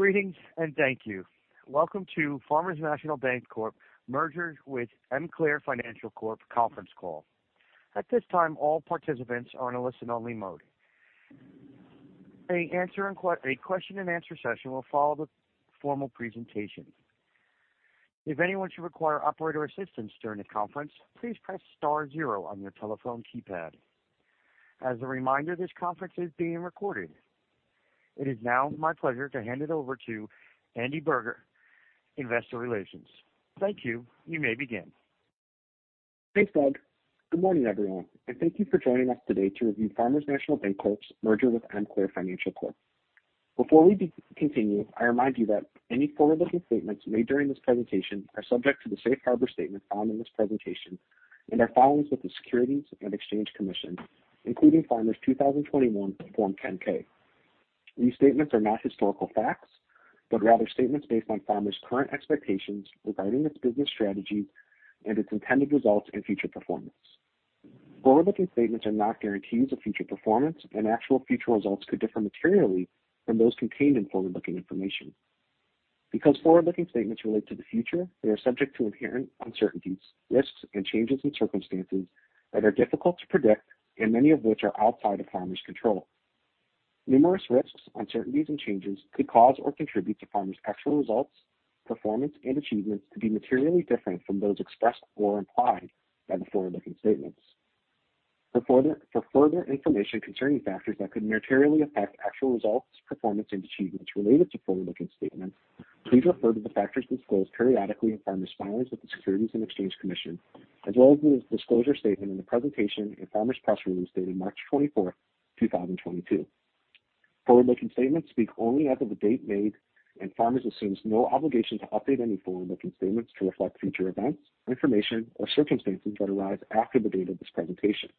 Greetings and thank you. Welcome to Farmers National Banc Corp. merger with Emclaire Financial Corp. conference call. At this time, all participants are in a listen-only mode. A question-and-answer session will follow the formal presentation. If anyone should require operator assistance during the conference, please press star zero on your telephone keypad. As a reminder, this conference is being recorded. It is now my pleasure to hand it over to Andrew Berger, Investor Relations. Thank you. You may begin. Thanks, Doug. Good morning, everyone, and thank you for joining us today to review Farmers National Banc Corp.'s merger with Emclaire Financial Corp. Before we continue, I remind you that any forward-looking statements made during this presentation are subject to the safe harbor statement found in this presentation and our filings with the Securities and Exchange Commission, including Farmers' 2021 Form 10-K. These statements are not historical facts, but rather statements based on Farmers' current expectations regarding its business strategy and its intended results and future performance. Forward-looking statements are not guarantees of future performance, and actual future results could differ materially from those contained in forward-looking information. Because forward-looking statements relate to the future, they are subject to inherent uncertainties, risks, and changes in circumstances that are difficult to predict and many of which are outside of Farmers' control. Numerous risks, uncertainties, and changes could cause or contribute to Farmers' actual results, performance, and achievements to be materially different from those expressed or implied by the forward-looking statements. For further information concerning factors that could materially affect actual results, performance, and achievements related to forward-looking statements, please refer to the factors disclosed periodically in Farmers' filings with the Securities and Exchange Commission, as well as the disclosure statement in the presentation in Farmers' press release dated March 24, 2022. Forward-looking statements speak only as of the date made, and Farmers assumes no obligation to update any forward-looking statements to reflect future events, information, or circumstances that arise after the date of this presentation.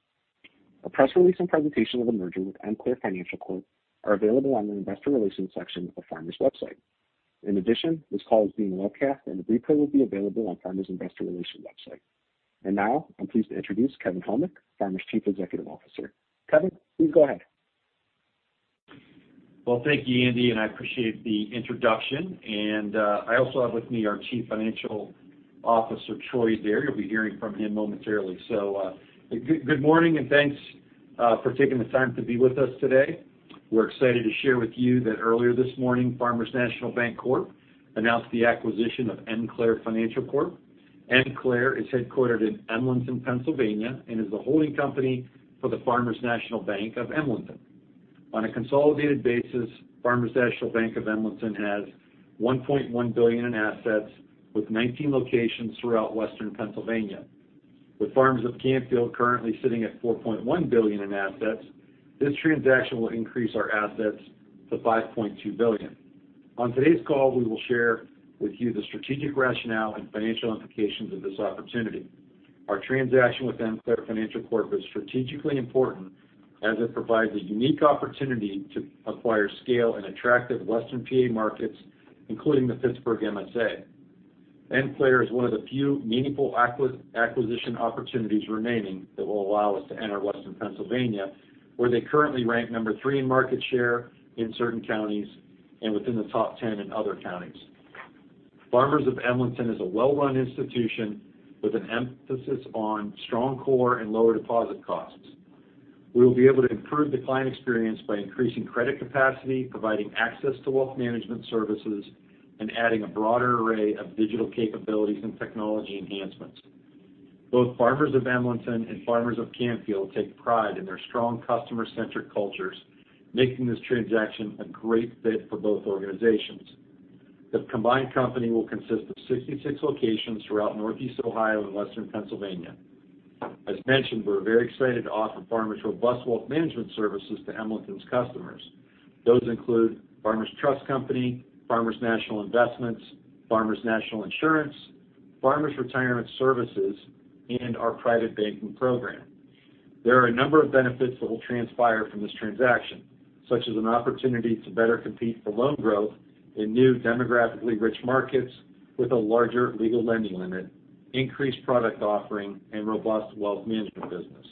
A press release and presentation of the merger with Emclaire Financial Corp. are available on the investor relations section of Farmers' website. In addition, this call is being webcast, and the replay will be available on Farmers' investor relations website. Now, I'm pleased to introduce Kevin Helmick, Farmers' Chief Executive Officer. Kevin, please go ahead. Well, thank you, Andy, and I appreciate the introduction. I also have with me our Chief Financial Officer, Troy Adair. You'll be hearing from him momentarily. Good morning and thanks for taking the time to be with us today. We're excited to share with you that earlier this morning, Farmers National Banc Corp. announced the acquisition of Emclaire Financial Corp. Emclaire is headquartered in Emlenton, Pennsylvania, and is the holding company for the Farmers National Bank of Emlenton. On a consolidated basis, Farmers National Bank of Emlenton has $1.1 billion in assets with 19 locations throughout Western Pennsylvania. With Farmers National Bank of Canfield currently sitting at $4.1 billion in assets, this transaction will increase our assets to $5.2 billion. On today's call, we will share with you the strategic rationale and financial implications of this opportunity. Our transaction with Emclaire Financial Corp. is strategically important as it provides a unique opportunity to acquire scale in attractive Western PA markets, including the Pittsburgh MSA. Emclaire is one of the few meaningful acquisition opportunities remaining that will allow us to enter Western Pennsylvania, where they currently rank number three in market share in certain counties and within the top 10 in other counties. Farmers of Emlenton is a well-run institution with an emphasis on strong core and lower deposit costs. We will be able to improve the client experience by increasing credit capacity, providing access to wealth management services, and adding a broader array of digital capabilities and technology enhancements. Both Farmers of Emlenton and Farmers of Canfield take pride in their strong customer-centric cultures, making this transaction a great fit for both organizations. The combined company will consist of 66 locations throughout Northeast Ohio and Western Pennsylvania. As mentioned, we're very excited to offer Farmers' robust wealth management services to Emlenton's customers. Those include Farmers Trust Company, Farmers National Investments, Farmers National Insurance, National Associates, Inc., and our private banking program. There are a number of benefits that will transpire from this transaction, such as an opportunity to better compete for loan growth in new demographically rich markets with a larger legal lending limit, increased product offering, and robust wealth management business.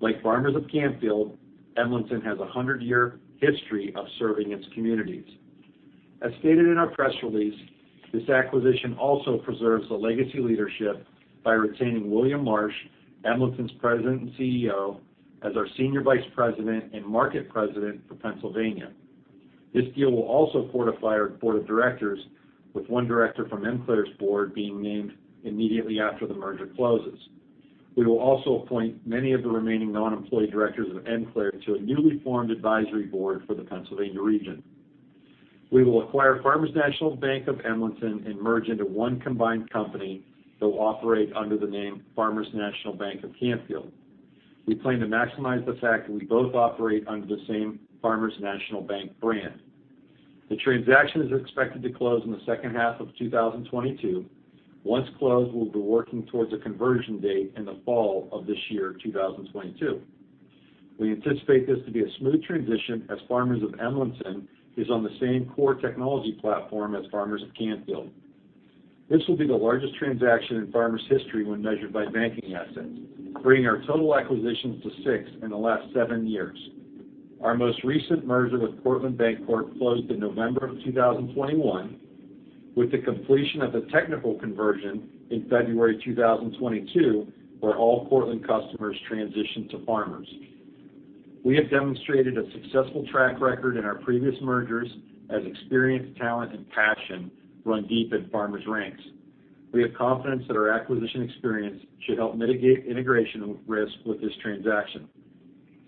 Like Farmers of Canfield, Emlenton has a 100-year history of serving its communities. As stated in our press release, this acquisition also preserves the legacy leadership by retaining William Marsh, Emlenton's President and CEO, as our Senior Vice President and Market President for Pennsylvania. This deal will also fortify our board of directors with one director from Emclaire's board being named immediately after the merger closes. We will also appoint many of the remaining non-employee directors of Emclaire to a newly formed advisory board for the Pennsylvania region. We will acquire Farmers National Bank of Emlenton and merge into one combined company that will operate under the name Farmers National Bank of Canfield. We plan to maximize the fact that we both operate under the same Farmers National Bank brand. The transaction is expected to close in the second half of 2022. Once closed, we'll be working towards a conversion date in the fall of this year, 2022. We anticipate this to be a smooth transition as Farmers of Emlenton is on the same core technology platform as Farmers of Canfield. This will be the largest transaction in Farmers' history when measured by banking assets, bringing our total acquisitions to six in the last seven years. Our most recent merger with Cortland Bancorp closed in November 2021, with the completion of the technical conversion in February 2022, where all Cortland customers transitioned to Farmers. We have demonstrated a successful track record in our previous mergers as experience, talent, and passion run deep in Farmers' ranks. We have confidence that our acquisition experience should help mitigate integration risk with this transaction.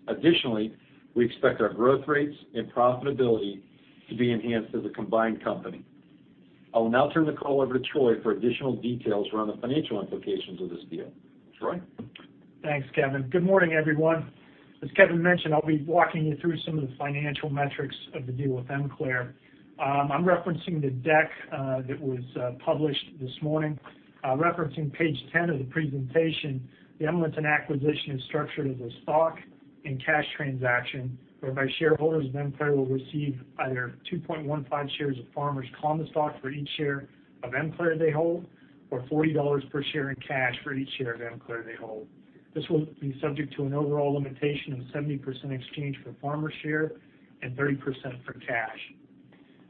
Additionally, we expect our growth rates and profitability to be enhanced as a combined company. I will now turn the call over to Troy for additional details around the financial implications of this deal. Troy? Thanks, Kevin. Good morning, everyone. As Kevin mentioned, I'll be walking you through some of the financial metrics of the deal with Emclaire. I'm referencing the deck that was published this morning. Referencing page 10 of the presentation, the Emclaire acquisition is structured as a stock and cash transaction whereby shareholders of Emclaire will receive either 2.15 shares of Farmers common stock for each share of Emclaire they hold, or $40 per share in cash for each share of Emclaire they hold. This will be subject to an overall limitation of 70% exchange for Farmers share and 30% for cash.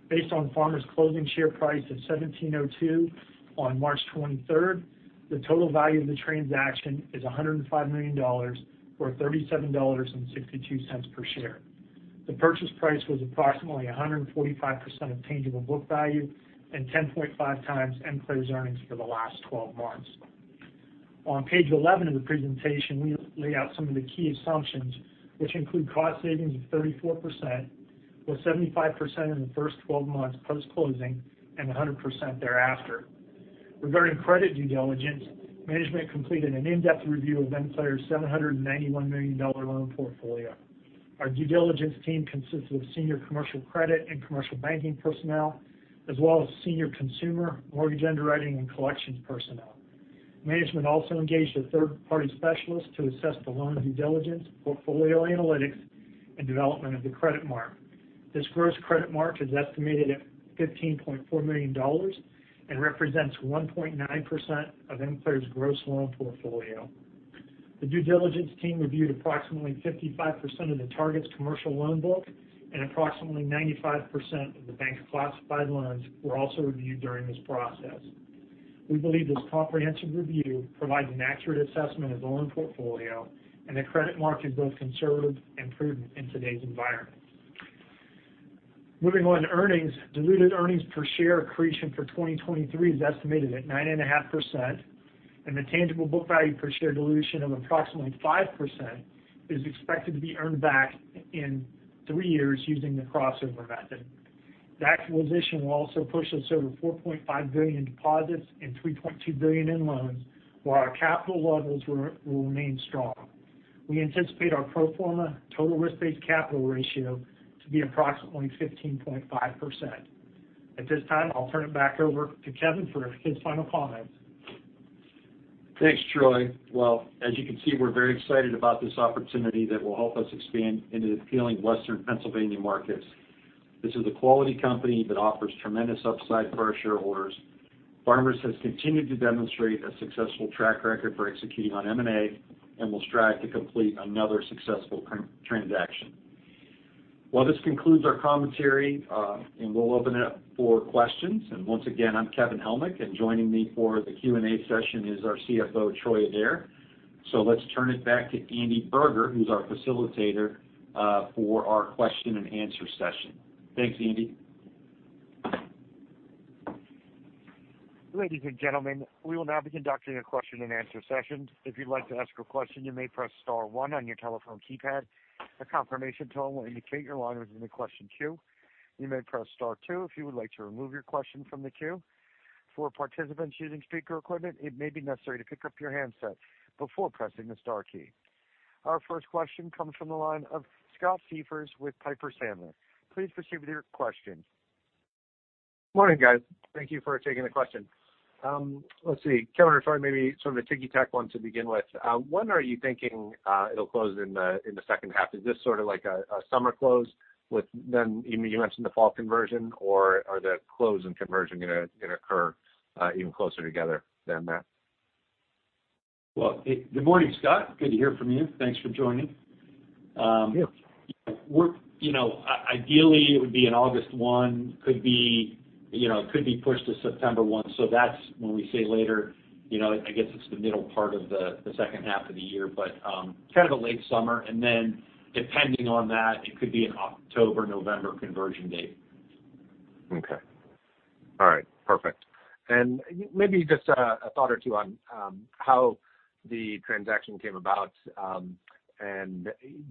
Based on Farmers' closing share price of $17.02 on March 23rd, the total value of the transaction is $105 million or $37.62 per share. The purchase price was approximately 145% of tangible book value and 10.5 times Emclaire's earnings for the last twelve months. On page 11 of the presentation, we lay out some of the key assumptions, which include cost savings of 34%, with 75% in the first twelve months post-closing and 100% thereafter. Regarding credit due diligence, management completed an in-depth review of Emclaire's $791 million loan portfolio. Our due diligence team consists of senior commercial credit and commercial banking personnel, as well as senior consumer mortgage underwriting and collections personnel. Management also engaged a third-party specialist to assess the loan due diligence, portfolio analytics, and development of the credit mark. This gross credit mark is estimated at $15.4 million and represents 1.9% of Emclaire's gross loan portfolio. The due diligence team reviewed approximately 55% of the target's commercial loan book and approximately 95% of the bank's classified loans were also reviewed during this process. We believe this comprehensive review provides an accurate assessment of loan portfolio and the credit mark is both conservative and prudent in today's environment. Moving on to earnings. Diluted earnings per share accretion for 2023 is estimated at 9.5%, and the tangible book value per share dilution of approximately 5% is expected to be earned back in three years using the crossover method. The acquisition will also push us over $4.5 billion deposits and $3.2 billion in loans while our capital levels will remain strong. We anticipate our pro forma total risk-based capital ratio to be approximately 15.5%. At this time, I'll turn it back over to Kevin for his final comments. Thanks, Troy. Well, as you can see, we're very excited about this opportunity that will help us expand into the appealing Western Pennsylvania markets. This is a quality company that offers tremendous upside for our shareholders. Farmers has continued to demonstrate a successful track record for executing on M&A and will strive to complete another successful transaction. Well, this concludes our commentary, and we'll open it up for questions. Once again, I'm Kevin Helmick, and joining me for the Q&A session is our CFO, Troy Adair. Let's turn it back to Andrew Burger, who's our facilitator, for our question and answer session. Thanks, Andy. Ladies and gentlemen, we will now be conducting a question and answer session. If you'd like to ask a question, you may press star one on your telephone keypad. A confirmation tone will indicate your line is in the question queue. You may press star two if you would like to remove your question from the queue. For participants using speaker equipment, it may be necessary to pick up your handset before pressing the star key. Our first question comes from the line of Scott Siefers with Piper Sandler. Please proceed with your question. Morning, guys. Thank you for taking the question. Let's see, Kevin or Troy, maybe sort of a ticky-tack one to begin with. When are you thinking it'll close in the second half? Is this sort of like a summer close with then you mentioned the fall conversion or are the close and conversion gonna occur even closer together than that? Well, good morning, Scott. Good to hear from you. Thanks for joining. Yeah. You know, ideally, it would be an August 1, could be, you know, could be pushed to September 1. That's when we say later, you know, I guess it's the middle part of the second half of the year, but kind of a late summer. Depending on that, it could be an October, November conversion date. Okay. All right. Perfect. Maybe just a thought or two on how the transaction came about, and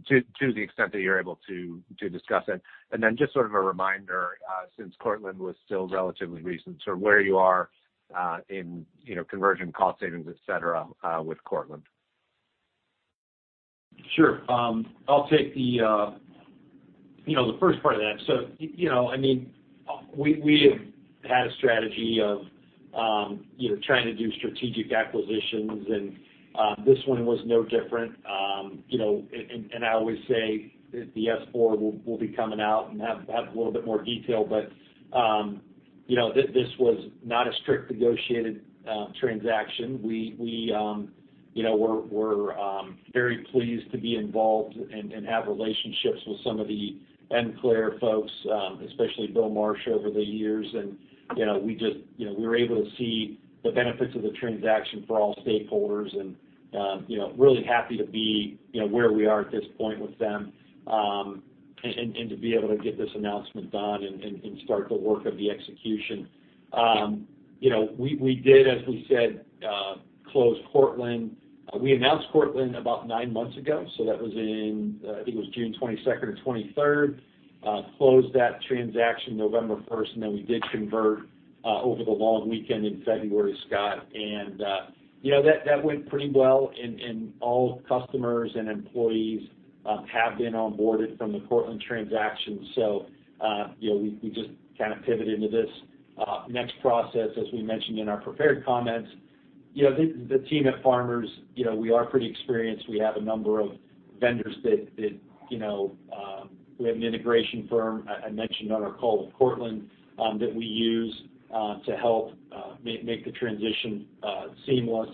to the extent that you're able to discuss it. Then just sort of a reminder, since Cortland was still relatively recent, sort of where you are in, you know, conversion cost savings, et cetera, with Cortland. Sure. I'll take the you know the first part of that. You know, I mean, we have had a strategy of you know trying to do strategic acquisitions and this one was no different. You know, I always say that the S-4 will be coming out and have a little bit more detail. You know, this was not a strict negotiated transaction. We you know we're very pleased to be involved and have relationships with some of the Emclaire folks, especially William C. Marsh over the years. You know, we just, you know, we were able to see the benefits of the transaction for all stakeholders and, you know, really happy to be, you know, where we are at this point with them, and to be able to get this announcement done and start the work of the execution. You know, we did, as we said, close Cortland. We announced Cortland about nine months ago, so that was in, I think it was June 22 or 23. Closed that transaction November 1, and then we did convert over the long weekend in February, Scott. You know, that went pretty well and all customers and employees have been onboarded from the Cortland transaction. You know, we just kind of pivoted into this next process, as we mentioned in our prepared comments. You know, the team at Farmers, you know, we are pretty experienced. We have a number of vendors that you know, we have an integration firm I mentioned on our call with Cortland that we use to help make the transition seamless.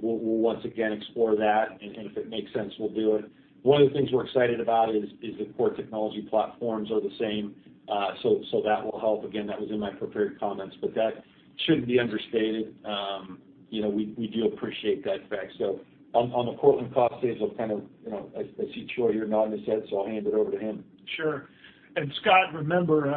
We'll once again explore that, and if it makes sense, we'll do it. One of the things we're excited about is the core technology platforms are the same, so that will help. Again, that was in my prepared comments. But that shouldn't be understated. You know, we do appreciate that fact. On the Cortland cost saves, we'll kind of you know. I see Troy here nodding his head, so I'll hand it over to him. Sure. Scott, remember,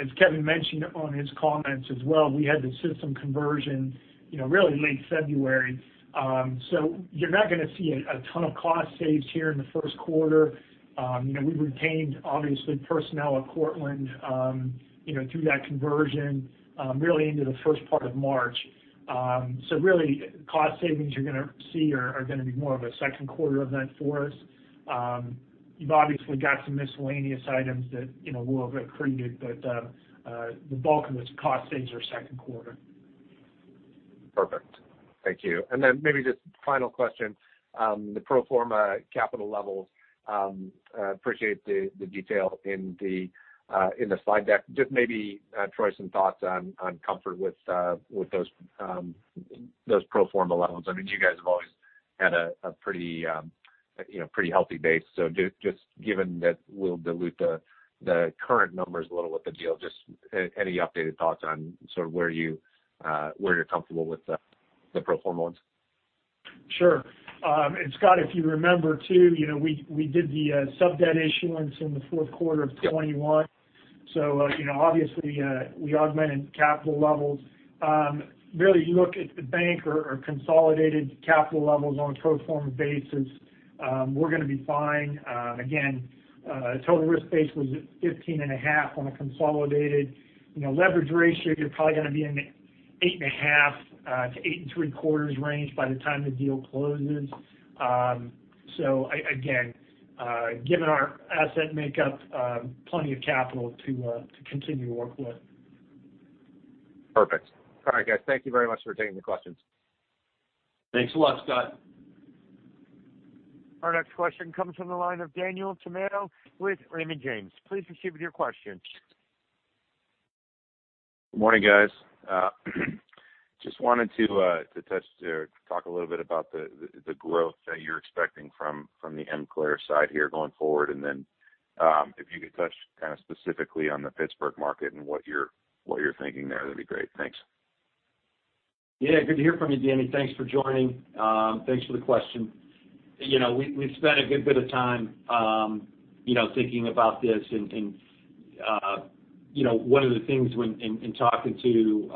as Kevin mentioned on his comments as well, we had the system conversion, you know, really late February. So you're not gonna see a ton of cost saves here in the first quarter. You know, we retained, obviously, personnel at Cortland, you know, through that conversion, really into the first part of March. So really cost savings you're gonna see are gonna be more of a second quarter event for us. You've obviously got some miscellaneous items that, you know, we'll have accreted, but the bulk of its cost saves are second quarter. Perfect. Thank you. Maybe just final question. The pro forma capital levels. I appreciate the detail in the slide deck. Just maybe, Troy, some thoughts on comfort with those pro forma levels. I mean, you guys have always had a pretty, you know, pretty healthy base. Just given that we'll dilute the current numbers a little with the deal, just any updated thoughts on sort of where you're comfortable with the pro forma levels? Sure. And Scott, if you remember too, you know, we did the sub-debt issuance in the fourth quarter of 2021. You know, obviously, we augmented capital levels. Really, you look at the bank or consolidated capital levels on a pro forma basis, we're gonna be fine. Again, total risk-based was at 15.5% on a consolidated. You know, leverage ratio, you're probably gonna be in the 8.5%-8.75% range by the time the deal closes. Again, given our asset makeup, plenty of capital to continue to work with. Perfect. All right, guys. Thank you very much for taking the questions. Thanks a lot, Scott. Our next question comes from the line of Daniel Tamayo with Raymond James. Please proceed with your question. Good morning, guys. Just wanted to touch or talk a little bit about the growth that you're expecting from the Emclaire side here going forward. Then, if you could touch kind of specifically on the Pittsburgh market and what you're thinking there, that'd be great. Thanks. Yeah. Good to hear from you, Danny. Thanks for joining. Thanks for the question. You know, we've spent a good bit of time, you know, thinking about this. One of the things, in talking to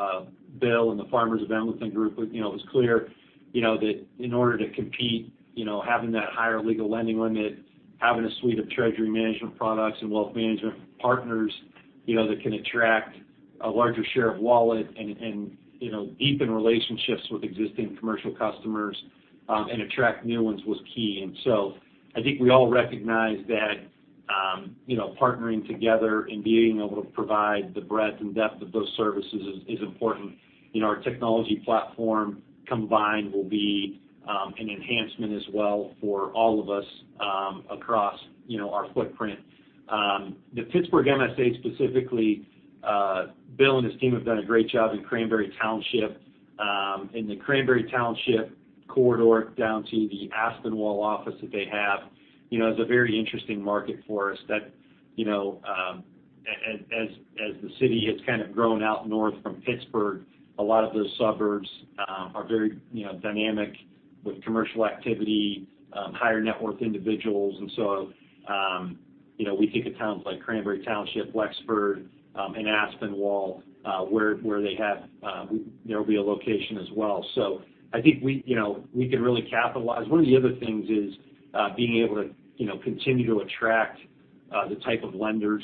Bill and the Farmers of Emlenton group, you know, it was clear, you know, that in order to compete, you know, having that higher legal lending limit, having a suite of treasury management products and wealth management partners, you know, that can attract a larger share of wallet and, you know, deepen relationships with existing commercial customers and attract new ones was key. I think we all recognize that, you know, partnering together and being able to provide the breadth and depth of those services is important. You know, our technology platform combined will be an enhancement as well for all of us across, you know, our footprint. The Pittsburgh MSA specifically, Bill and his team have done a great job in Cranberry Township. In the Cranberry Township corridor down to the Aspinwall office that they have, you know, is a very interesting market for us that, you know, as the city has kind of grown out north from Pittsburgh, a lot of those suburbs are very, you know, dynamic with commercial activity, higher net worth individuals. We think of towns like Cranberry Township, Wexford, and Aspinwall, where they have there will be a location as well. I think we, you know, we can really capitalize. One of the other things is being able to, you know, continue to attract the type of lenders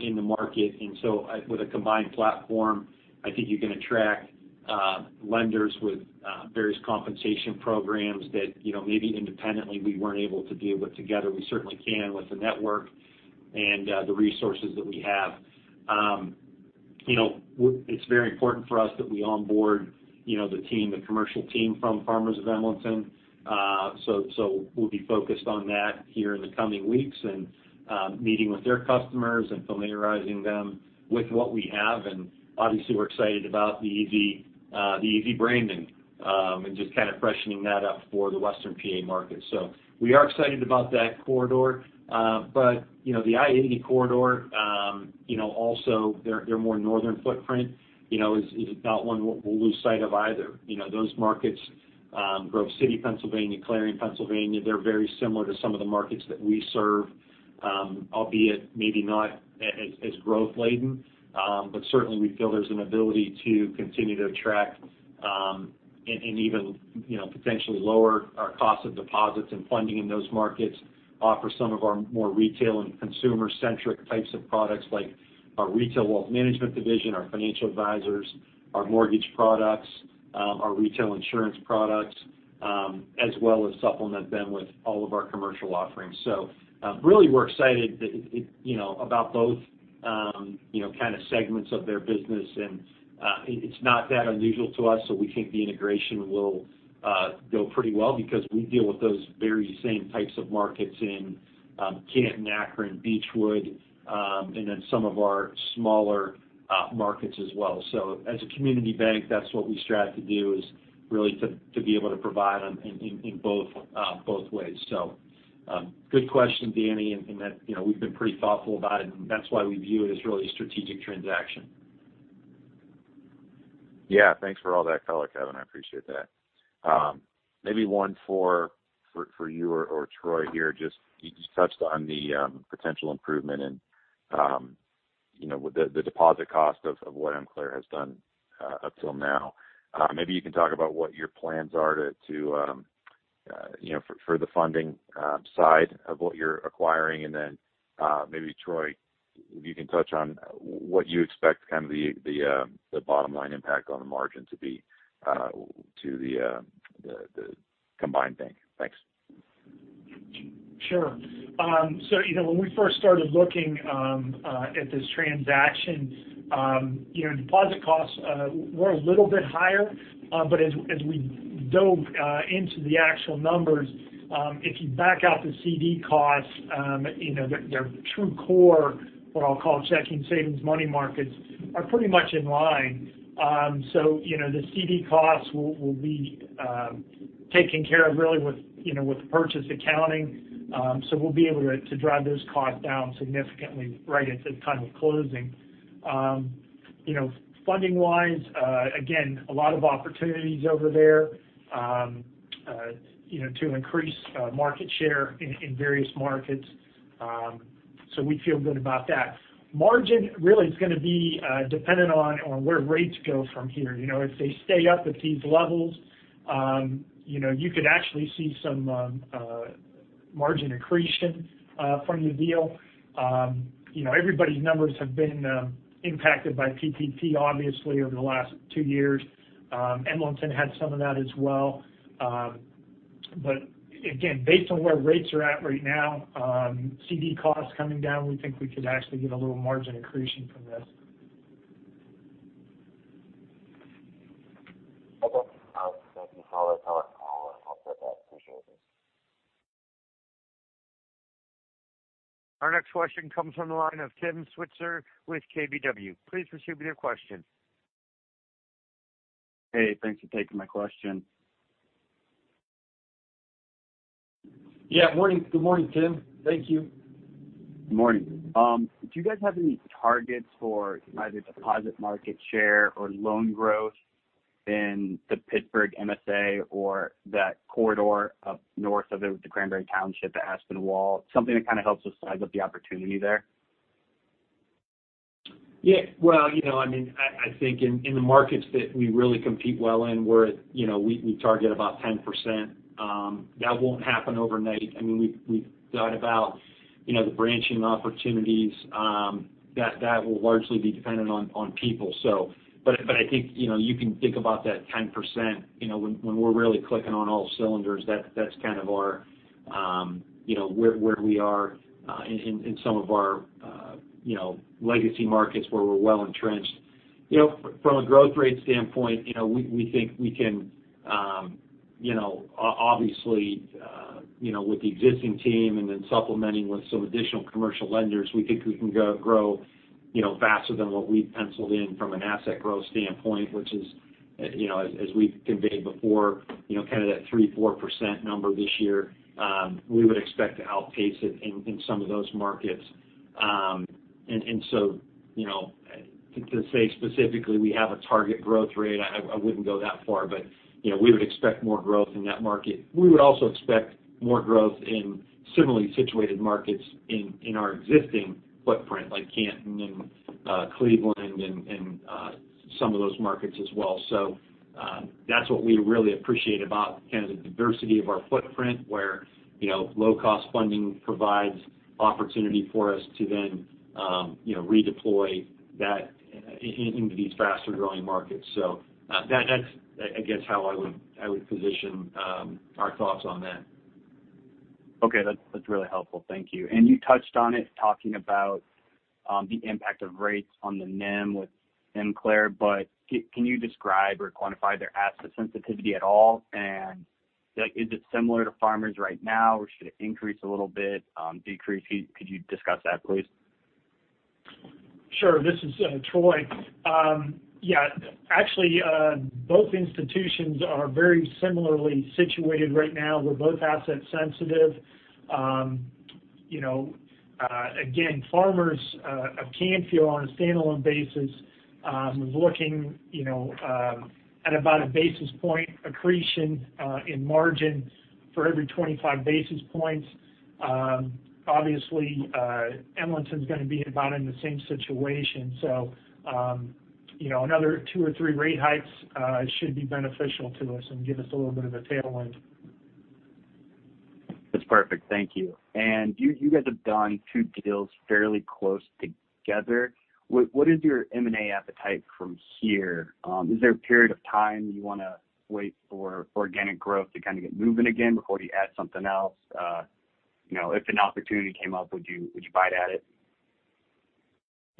in the market. With a combined platform, I think you can attract lenders with various compensation programs that, you know, maybe independently we weren't able to do, but together we certainly can with the network and the resources that we have. It's very important for us that we onboard, you know, the team, the commercial team from Farmers of Emlenton. We'll be focused on that here in the coming weeks, and meeting with their customers and familiarizing them with what we have. Obviously, we're excited about the EV, the EV branding, and just kind of freshening that up for the Western Pa. market. We are excited about that corridor. You know, the I-80 corridor, you know, also their more northern footprint, you know, is not one we'll lose sight of either. You know, those markets, Grove City, Pennsylvania, Clarion, Pennsylvania, they're very similar to some of the markets that we serve, albeit maybe not as growth laden. Certainly we feel there's an ability to continue to attract, and even, you know, potentially lower our cost of deposits and funding in those markets, offer some of our more retail and consumer-centric types of products like our retail wealth management division, our financial advisors, our mortgage products, our retail insurance products, as well as supplement them with all of our commercial offerings. Really, we're excited that it, you know, about both, you know, kind of segments of their business. It's not that unusual to us, so we think the integration will go pretty well because we deal with those very same types of markets in Canton, Akron, Beachwood, and then some of our smaller markets as well. As a community bank, that's what we strive to do, is really to be able to provide them in both ways. Good question, Danny, and that, you know, we've been pretty thoughtful about it and that's why we view it as really a strategic transaction. Yeah. Thanks for all that color, Kevin. I appreciate that. Maybe one for you or Troy here. You just touched on the potential improvement and you know the deposit cost of what Emclaire has done up till now. Maybe you can talk about what your plans are to you know for the funding side of what you're acquiring. Then maybe Troy, if you can touch on what you expect kind of the bottom line impact on the margin to be to the combined bank. Thanks. Sure. You know, when we first started looking at this transaction, you know, deposit costs were a little bit higher. As we dove into the actual numbers, if you back out the CD costs, you know, their true core, what I'll call checking, savings, money markets, are pretty much in line. You know, the CD costs will be taken care of really with, you know, with purchase accounting. We'll be able to drive those costs down significantly right at the time of closing. You know, funding wise, again, a lot of opportunities over there, you know, to increase market share in various markets. We feel good about that. Margin really is gonna be dependent on where rates go from here. You know, if they stay up at these levels, you know, you could actually see some margin accretion from the deal. You know, everybody's numbers have been impacted by PPP obviously over the last two years. Emlenton had some of that as well. Again, based on where rates are at right now, CD costs coming down, we think we could actually get a little margin accretion from this. Okay. I'll take a solid call and I'll set that. Appreciate it. Our next question comes from the line of Tim Switzer with KBW. Please proceed with your question. Hey, thanks for taking my question. Yeah. Morning. Good morning, Tim. Thank you. Good morning. Do you guys have any targets for either deposit market share or loan growth in the Pittsburgh MSA or that corridor up north of the Cranberry Township, the Aspinwall? Something that kind of helps us size up the opportunity there. Yeah. Well, you know, I mean, I think in the markets that we really compete well in, we're at, you know, we target about 10%. That won't happen overnight. I mean, we've thought about, you know, the branching opportunities that will largely be dependent on people. But I think, you know, you can think about that 10%, you know, when we're really clicking on all cylinders, that's kind of our, you know, where we are in some of our, you know, legacy markets where we're well entrenched. You know, from a growth rate standpoint, you know, we think we can, you know, obviously, you know, with the existing team and then supplementing with some additional commercial lenders, we think we can grow, you know, faster than what we've penciled in from an asset growth standpoint, which is, you know, as we've conveyed before, you know, kind of that 3%-4% number this year, we would expect to outpace it in some of those markets. You know, to say specifically we have a target growth rate, I wouldn't go that far. You know, we would expect more growth in that market. We would also expect more growth in similarly situated markets in our existing footprint like Canton and Cleveland and some of those markets as well. That's what we really appreciate about kind of the diversity of our footprint where, you know, low cost funding provides opportunity for us to then, you know, redeploy that into these faster growing markets. That's, I guess, how I would position our thoughts on that. Okay, that's really helpful. Thank you. You touched on it talking about the impact of rates on the NIM with Emclaire. Can you describe or quantify their asset sensitivity at all? Like, is it similar to Farmers right now or should it increase a little bit, decrease? Could you discuss that, please? Sure. This is Troy. Yeah, actually, both institutions are very similarly situated right now. We're both asset sensitive. You know, again, Farmers of Canfield on a standalone basis is looking, you know, at about a basis point accretion in margin for every 25 basis points. Obviously, Emlenton is gonna be about in the same situation. You know, another 2 or 3 rate hikes should be beneficial to us and give us a little bit of a tailwind. That's perfect. Thank you. You guys have done two deals fairly close together. What is your M&A appetite from here? Is there a period of time you wanna wait for organic growth to kind of get moving again before you add something else? You know, if an opportunity came up, would you bite at it?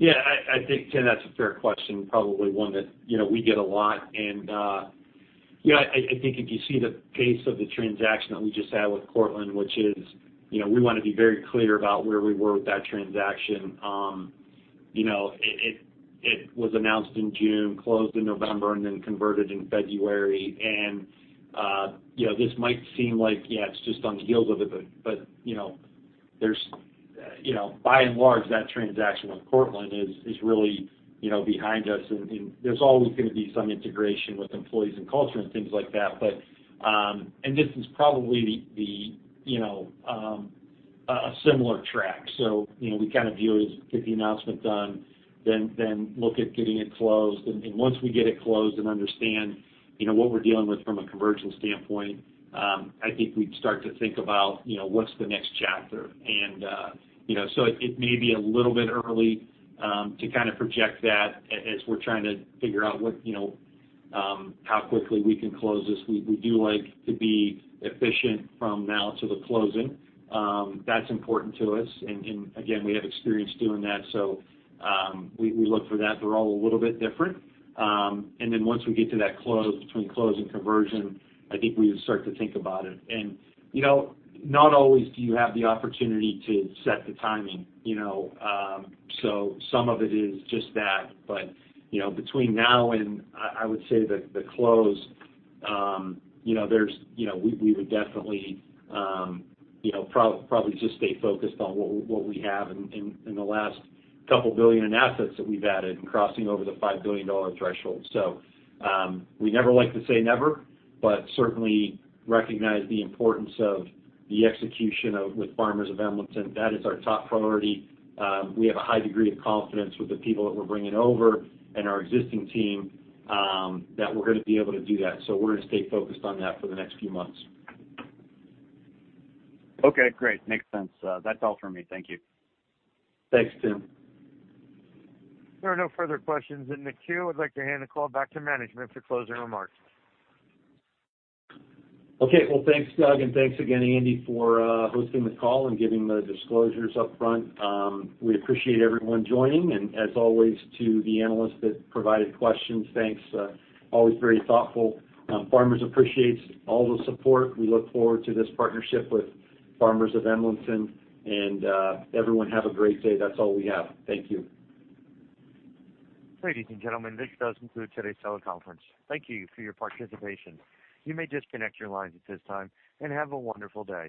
Yeah, I think, Tim, that's a fair question, probably one that you know we get a lot. Yeah, I think if you see the pace of the transaction that we just had with Cortland, which is you know we wanna be very clear about where we were with that transaction. You know, it was announced in June, closed in November, and then converted in February. You know, this might seem like yeah it's just on the heels of it, but you know by and large that transaction with Cortland is really you know behind us. There's always gonna be some integration with employees and culture and things like that, but this is probably the you know a similar track. You know, we kind of view it as get the announcement done, then look at getting it closed. Once we get it closed and understand, you know, what we're dealing with from a conversion standpoint, I think we'd start to think about, you know, what's the next chapter. You know, so it may be a little bit early to kind of project that as we're trying to figure out what, you know, how quickly we can close this. We do like to be efficient from now to the closing. That's important to us. Again, we have experience doing that, so we look for that. They're all a little bit different. Then once we get to that close, between close and conversion, I think we start to think about it. Not always do you have the opportunity to set the timing, you know. So some of it is just that. You know, between now and I would say the close, you know, we would definitely probably just stay focused on what we have in the last 2 billion in assets that we've added and crossing over the $5 billion threshold. We never like to say never, but certainly recognize the importance of the execution with Farmers of Emlenton. That is our top priority. We have a high degree of confidence with the people that we're bringing over and our existing team that we're gonna be able to do that. We're gonna stay focused on that for the next few months. Okay, great. Makes sense. That's all for me. Thank you. Thanks, Tim. There are no further questions in the queue. I'd like to hand the call back to management for closing remarks. Okay. Well, thanks, Doug, and thanks again, Andy, for hosting the call and giving the disclosures up front. We appreciate everyone joining. As always, to the analysts that provided questions, thanks. Always very thoughtful. Farmers appreciates all the support. We look forward to this partnership with Farmers of Emlenton. Everyone, have a great day. That's all we have. Thank you. Ladies and gentlemen, this does conclude today's teleconference. Thank you for your participation. You may disconnect your lines at this time, and have a wonderful day.